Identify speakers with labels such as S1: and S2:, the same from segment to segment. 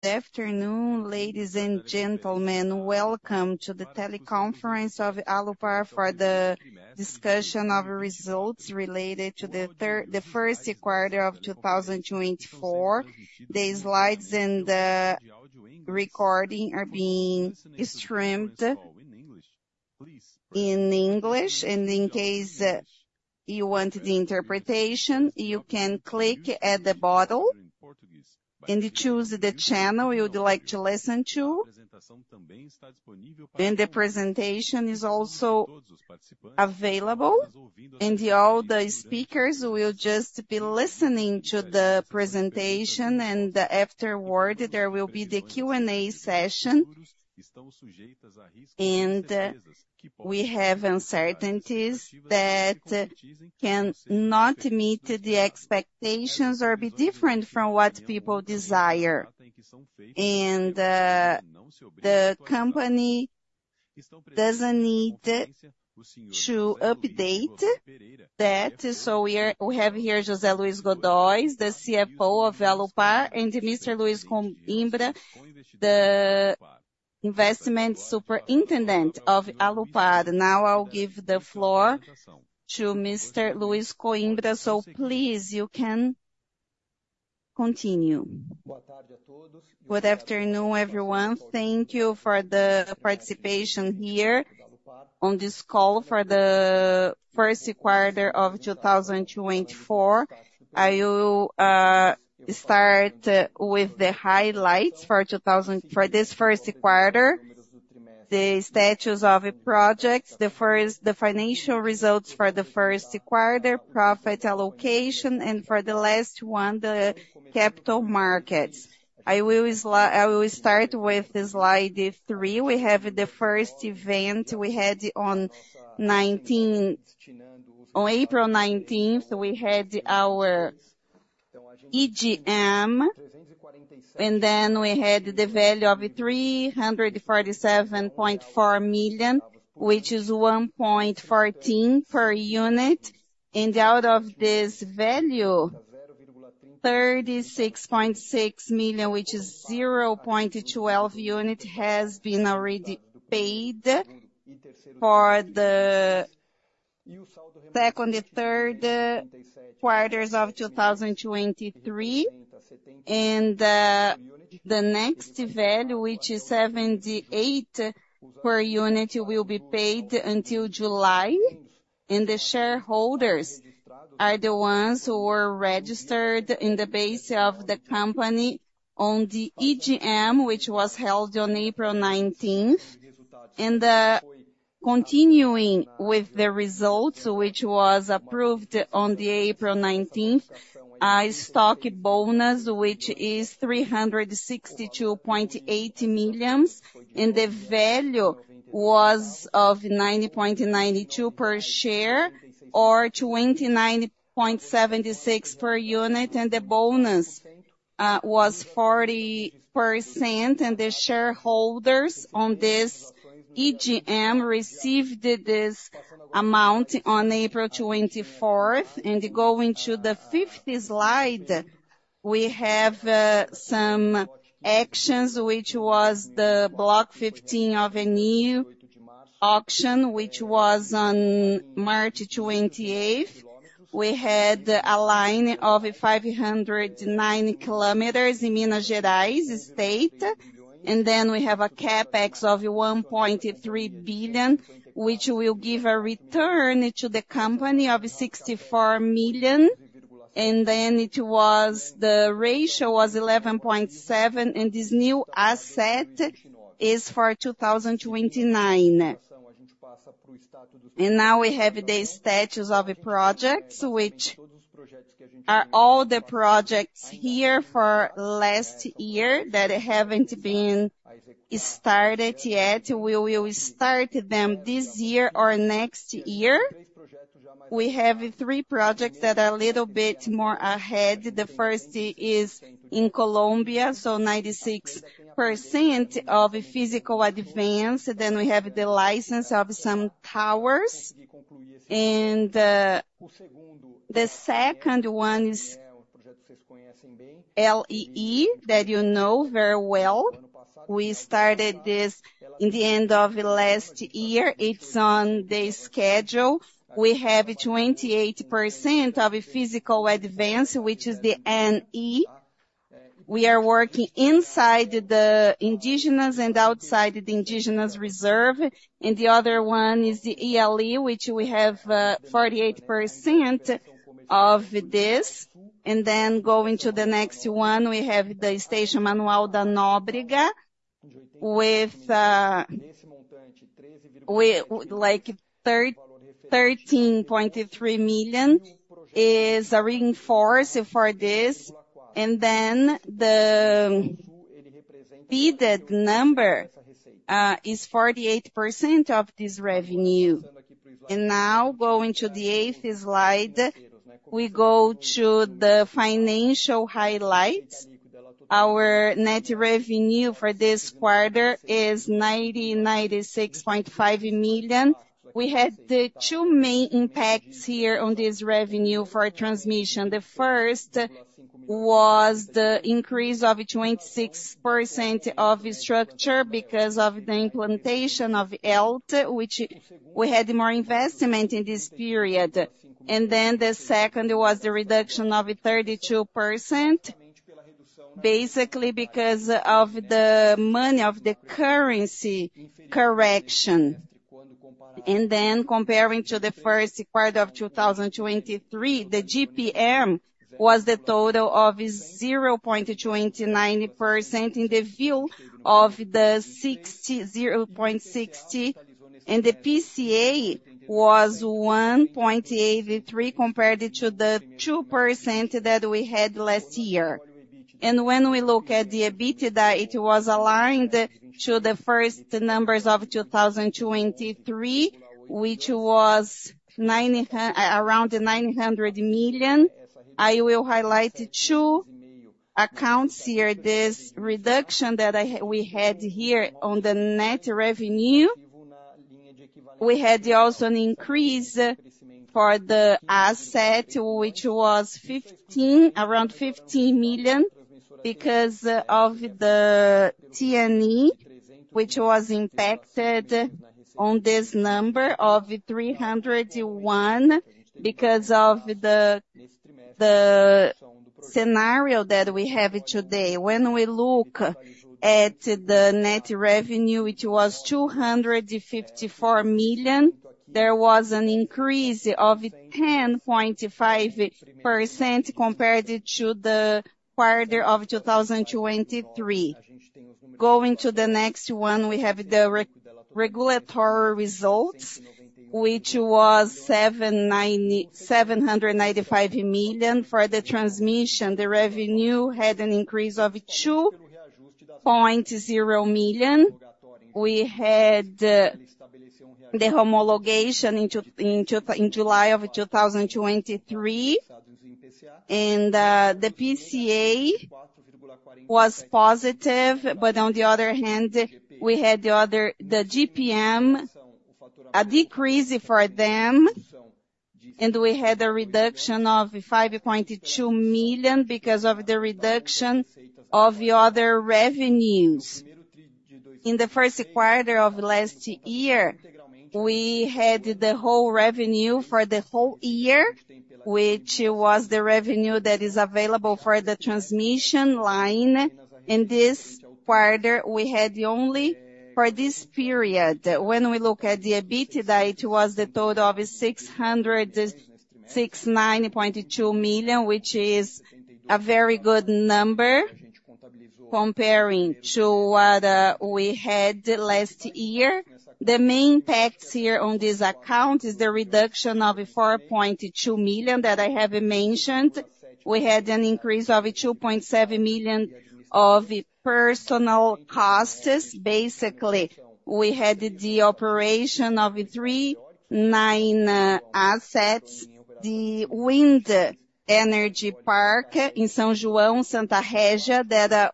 S1: Good afternoon, ladies and gentlemen. Welcome to the teleconference of Alupar for the discussion of results related to the first quarter of 2024. The slides and the recording are being streamed in English, and in case you want the interpretation, you can click at the bottom and choose the channel you would like to listen to. The presentation is also available, and all the speakers will just be listening to the presentation, and afterward there will be the Q&A session. We have uncertainties that cannot meet the expectations or be different from what people desire, and the company doesn't need to update that. So we have here José Luiz de Godoy Pereira, the CFO of Alupar, and Mr. Luiz Coimbra, the investment superintendent of Alupar. Now I'll give the floor to Mr. Luiz Coimbra, so please you can continue.
S2: Good afternoon, everyone. Thank you for the participation here on this call for the first quarter of 2024. I will start with the highlights for Q1 for this first quarter: the status of projects, the financial results for the first quarter, profit allocation, and for the last one, the capital markets. I will start with Slide three. We had the first event we had on April 19th, we had our EGM, and then we had the value of 347.4 million, which is 1.14 per unit. And out of this value, 36.6 million, which is 0.12 unit, has been already paid for the second and third quarters of 2023. And the next value, which is 0.78 per unit, will be paid until July, and the shareholders are the ones who were registered in the base of the company on the EGM, which was held on April 19th. Continuing with the results, which was approved on April 19th, a stock bonus, which is 362.8 million, and the value was of 9.92 per share or 29.76 per unit, and the bonus was 40%, and the shareholders on this EGM received this amount on April 24th. Going to the 5th slide, we have some actions, which was the Lot 15 of a new auction, which was on March 28th. We had a line of 509 km in Minas Gerais, and then we have a capex of 1.3 billion, which will give a return to the company of 64 million, and then it was the ratio was 11.7, and this new asset is for 2029. Now we have the status of projects, which are all the projects here for last year that haven't been started yet. We will start them this year or next year. We have three projects that are a little bit more ahead. The first is in Colombia, so 96% of physical advance. Then we have the license of some towers. The second one is TNE, that you know very well. We started this in the end of last year. It's on the schedule. We have 28% of physical advance, which is TNE. We are working inside the indigenous and outside the indigenous reserve. The other one is the ELTE, which we have 48% of this. Then going to the next one, we have the Manoel da Nóbrega Substation, with like 13.3 million is a reinforcement for this, and then the physical advance is 48% of this revenue. Now going to the eighth slide, we go to the financial highlights. Our net revenue for this quarter is 96.5 million. We had the two main impacts here on this revenue for transmission. The first was the increase of 26% of structure because of the implementation of ELTE, which we had more investment in this period. Then the second was the reduction of 32%, basically because of the money of the currency correction. Then comparing to the first quarter of 2023, the IGP-M was the total of 0.29% in the view of the 0.60, and the IPCA was 1.83% compared to the 2% that we had last year. When we look at the EBITDA, it was aligned to the first numbers of 2023, which was around 900 million. I will highlight two accounts here. This reduction that we had here on the net revenue, we had also an increase for the asset, which was around 15 million, because of the TNE, which was impacted on this number of 301 million because of the scenario that we have today. When we look at the net revenue, it was 254 million. There was an increase of 10.5% compared to the quarter of 2023. Going to the next one, we have the regulatory results, which was 795 million for the transmission. The revenue had an increase of 2.0 million. We had the homologation in July of 2023, and the IPCA was positive, but on the other hand, we had the other the IGP-M, a decrease for them, and we had a reduction of 5.2 million because of the reduction of the other revenues. In the first quarter of last year, we had the whole revenue for the whole year, which was the revenue that is available for the transmission line, and this quarter we had only for this period. When we look at the EBITDA, it was the total of 609.2 million, which is a very good number comparing to what we had last year. The main impacts here on this account is the reduction of 4.2 million that I have mentioned. We had an increase of 2.7 million of personnel costs. Basically, we had the operation of three new assets, the wind energy park in São João, Santa Régia, that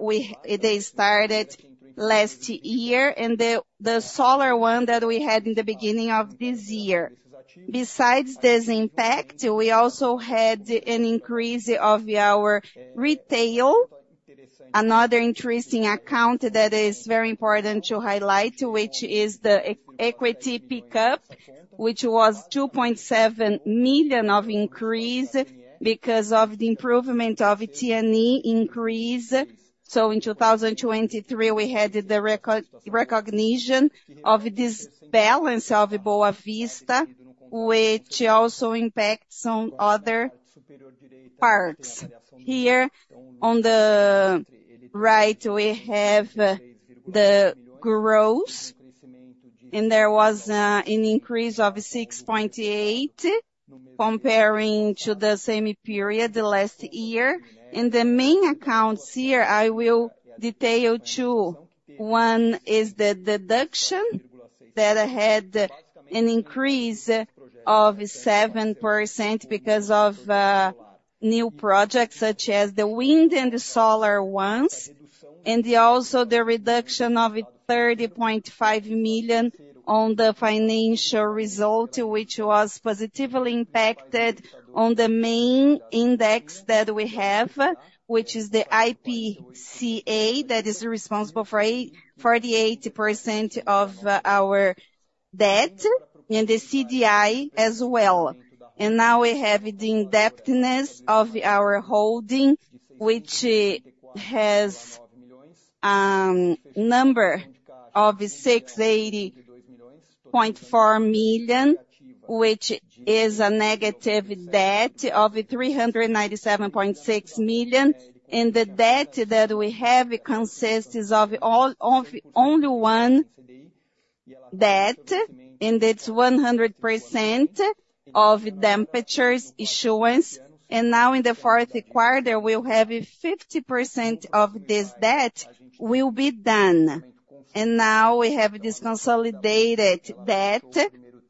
S2: we started last year, and the solar one that we had in the beginning of this year. Besides this impact, we also had an increase of our result, another interesting account that is very important to highlight, which is the equity pickup, which was a 2.7 million increase because of the improvement of TNE increase. So in 2023, we had the recognition of this balance of Boa Vista, which also impacts some other parks. Here on the right, we have the growth, and there was an increase of 6.8 comparing to the same period last year. And the main accounts here I will detail too. One is the deduction that had an increase of 7% because of new projects such as the wind and the solar ones, and also the reduction of 30.5 million on the financial result, which was positively impacted on the main index that we have, which is the IPCA that is responsible for 48% of our debt, and the CDI as well. Now we have the indebtedness of our holding, which has a number of 680.4 million, which is a negative debt of 397.6 million, and the debt that we have consists of only one debt, and it's 100% debenture issuance. Now in the fourth quarter, we'll have 50% of this debt will be done. Now we have this consolidated debt,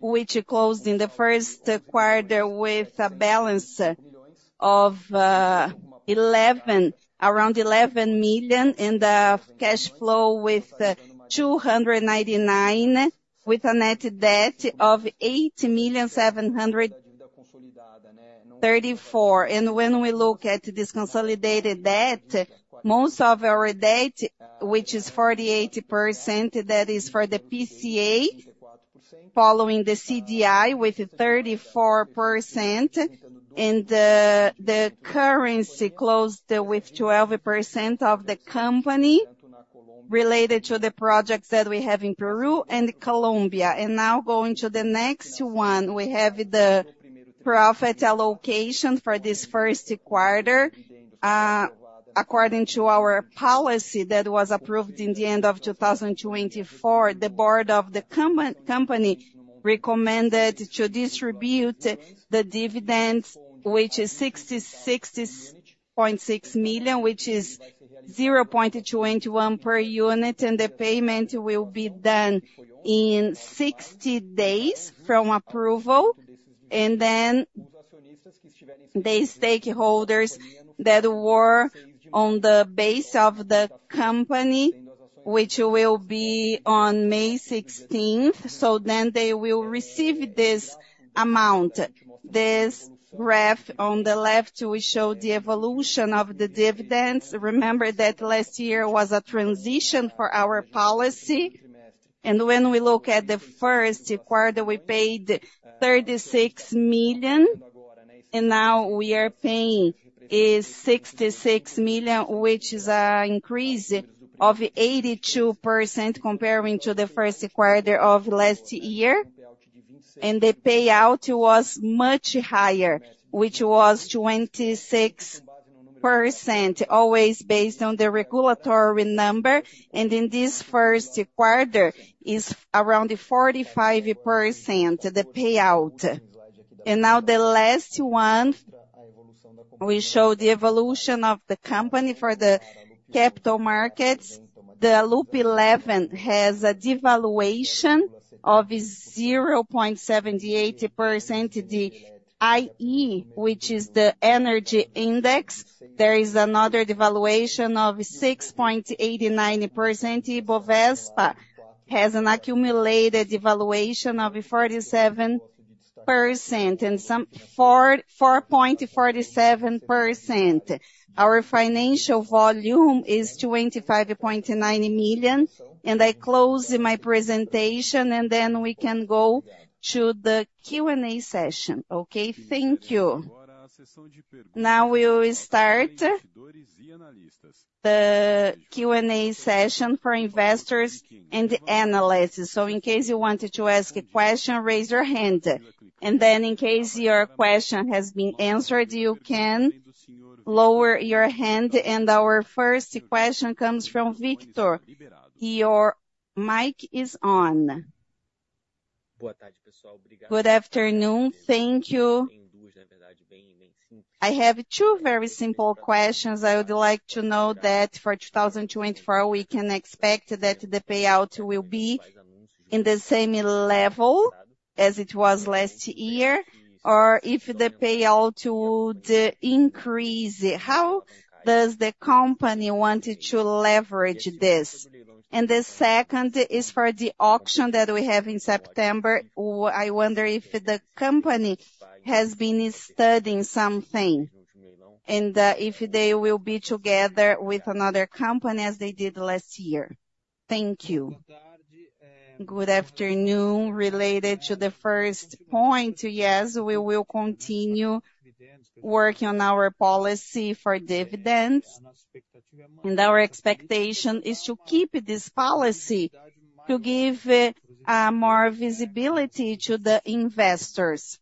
S2: which closed in the first quarter with a balance of around 11 million, and a cash of 299 million, with a net debt of 8,734 million. When we look at this consolidated debt, most of our debt, which is 48%, that is for the IPCA, following the CDI with 34%, and the currency closed with 12% of the company related to the projects that we have in Peru and Colombia. Now going to the next one, we have the profit allocation for this first quarter. According to our policy that was approved in the end of 2024, the board of the company recommended to distribute the dividends, which is 66.6 million, which is 0.21 per unit, and the payment will be done in 60 days from approval. Then these stakeholders that were on the base of the company, which will be on May 16th, so then they will receive this amount. This graph on the left, we show the evolution of the dividends. Remember that last year was a transition for our policy. When we look at the first quarter, we paid 36 million, and now we are paying 66 million, which is an increase of 82% comparing to the first quarter of last year. The payout was much higher, which was 26%, always based on the regulatory number, and in this first quarter is around 45% the payout. And now the last one, we show the evolution of the company for the capital markets. The ALUP11 has a devaluation of 0.78%, the IEE, which is the energy index. There is another devaluation of 6.89%. Ibovespa has an accumulated devaluation of 47%, and some 4.47%. Our financial volume is 25.9 million, and I close my presentation, and then we can go to the Q&A session, okay? Thank you. Now we'll start the Q&A session for investors and analysts. So in case you wanted to ask a question, raise your hand. And then in case your question has been answered, you can lower your hand. And our first question comes from Victor. Your mic is on.
S3: Good afternoon. Thank you. I have two very simple questions. I would like to know that for 2024, we can expect that the payout will be in the same level as it was last year, or if the payout would increase, how does the company want to leverage this? And the second is for the auction that we have in September. I wonder if the company has been studying something, and if they will be together with another company as they did last year.
S2: Thank you. Good afternoon. Related to the first point, yes, we will continue working on our policy for dividends, and our expectation is to keep this policy to give more visibility to the investors.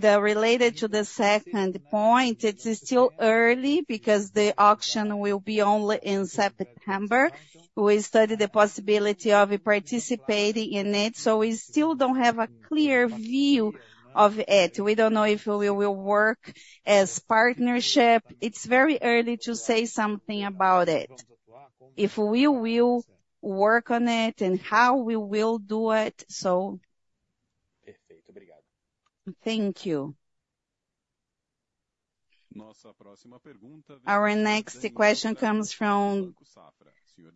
S2: Related to the second point, it's still early because the auction will be only in September. We study the possibility of participating in it, so we still don't have a clear view of it. We don't know if we will work as partnership. It's very early to say something about it, if we will work on it and how we will do it, so.
S3: Thank you.
S1: Our next question comes from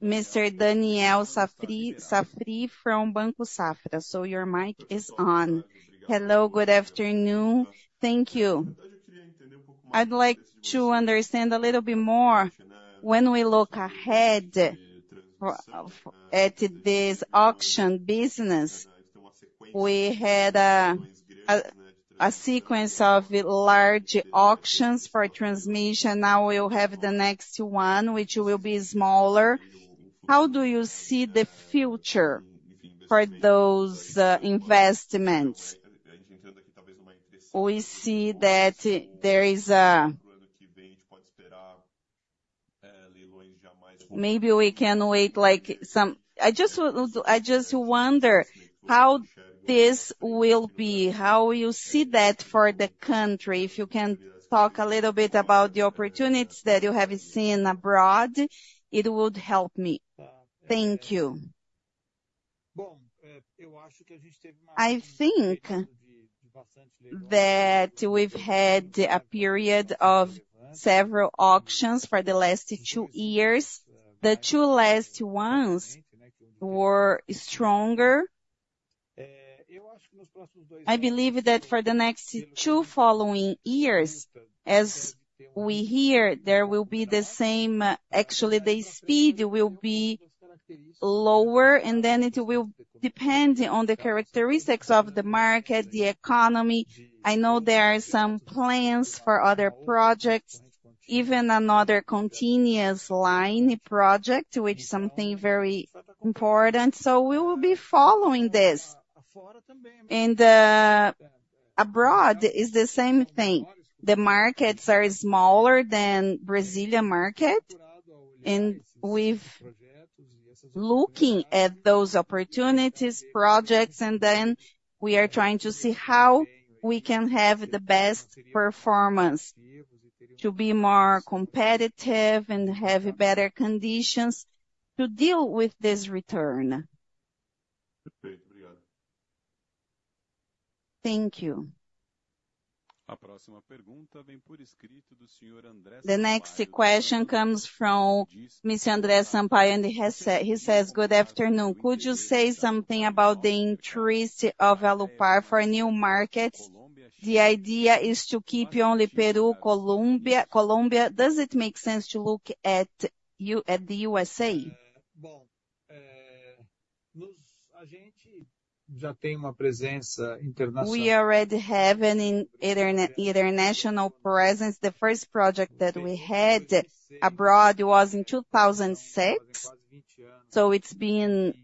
S1: Mr. Daniel Travitzky from Banco Safra, so your mic is on. Hello, good afternoon. Thank you. I'd like to understand a little bit more. When we look ahead at this auction business, we had a sequence of large auctions for transmission. Now we'll have the next one, which will be smaller. How do you see the future for those investments? We see that there is a. Maybe we can wait like some. I just wonder how this will be. How you see that for the country? If you can talk a little bit about the opportunities that you have seen abroad, it would help me. Thank you. I think that we've had a period of several auctions for the last two years. The two last ones were stronger. I believe that for the next two following years, as we hear, there will be the same. Actually, the speed will be lower, and then it will depend on the characteristics of the market, the economy. I know there are some plans for other projects, even another continuous line project, which is something very important. So we will be following this. And abroad is the same thing. The markets are smaller than the Brazilian market, and we've been looking at those opportunities, projects, and then we are trying to see how we can have the best performance, to be more competitive and have better conditions to deal with this return. Thank you. The next question comes from Mr. André Sampaio, and he says, "Good afternoon. Could you say something about the interest of Alupar for new markets? The idea is to keep only Peru, Colombia. Colombia, does it make sense to look at the USA? We already have an international presence. The first project that we had abroad was in 2006, so it's been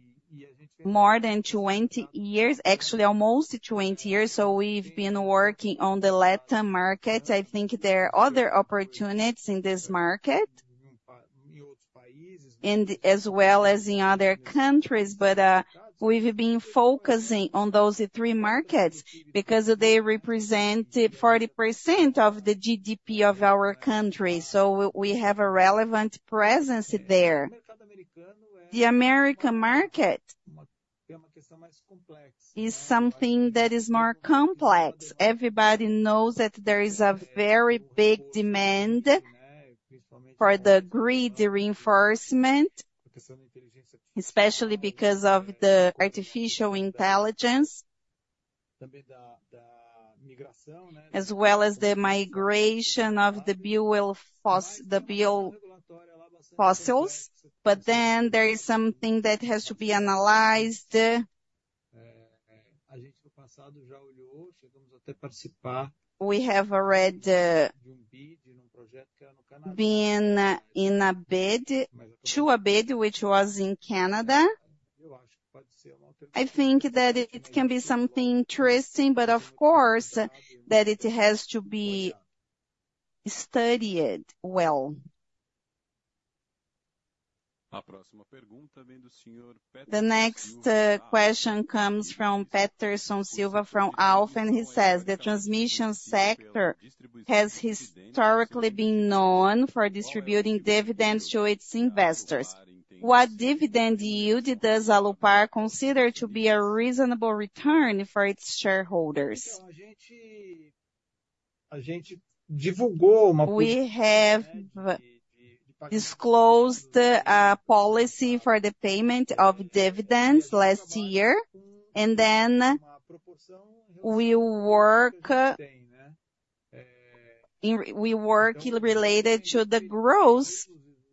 S1: more than 20 years, actually almost 20 years. So we've been working on the Latin market. I think there are other opportunities in this market, as well as in other countries, but we've been focusing on those three markets because they represent 40% of the GDP of our country. So we have a relevant presence there. The American market is something that is more complex. Everybody knows that there is a very big demand for the grid reinforcement, especially because of the artificial intelligence, as well as the migration from the fossil fuels. But then there is something that has to be analyzed. A gente, no passado, já olhou, chegamos até a participar. We have already been in a bid, which was in Canada. I think that it can be something interesting, but of course that it has to be studied well. The next question comes from Peterson Silva from L4 Capital, and he says, "The transmission sector has historically been known for distributing dividends to its investors. What dividend yield does Alupar consider to be a reasonable return for its shareholders?" We have disclosed a policy for the payment of dividends last year, and then we work related to the growth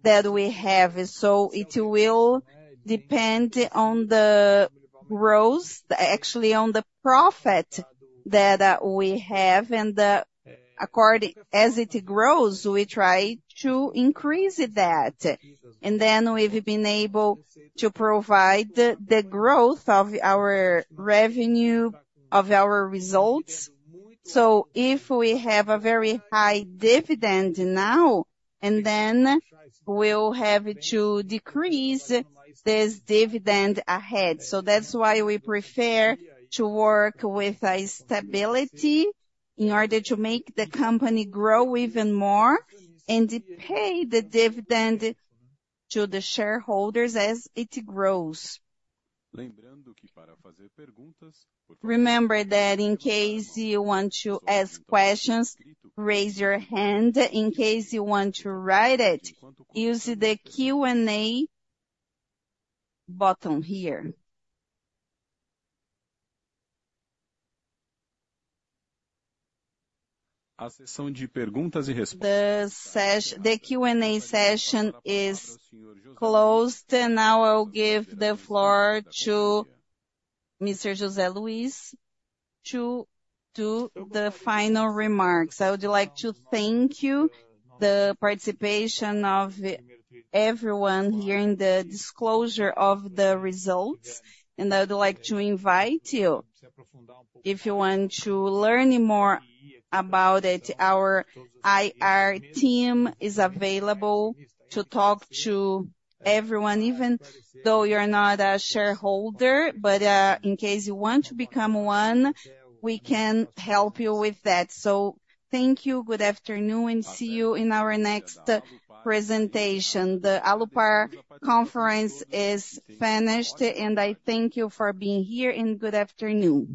S1: that we have. So it will depend on the growth, actually on the profit that we have. And according as it grows, we try to increase that. And then we've been able to provide the growth of our revenue, of our results. So if we have a very high dividend now, and then we'll have to decrease this dividend ahead. So that's why we prefer to work with stability in order to make the company grow even more and pay the dividend to the shareholders as it grows. Remember that in case you want to ask questions, raise your hand. In case you want to write it, use the Q&A button here. The Q&A session is closed. Now I'll give the floor to Mr. José Luiz to do the final remarks. I would like to thank you, the participation of everyone here in the disclosure of the results. And I would like to invite you, if you want to learn more about it, our IR team is available to talk to everyone, even though you're not a shareholder. But in case you want to become one, we can help you with that. Thank you. Good afternoon, and see you in our next presentation. The Alupar conference is finished, and I thank you for being here, and good afternoon.